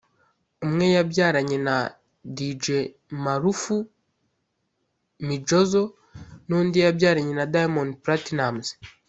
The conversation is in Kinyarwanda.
umwe yabyaranye na Dj Maarufu Mjizzo n’undi yabyaranye na Diamond Platinumz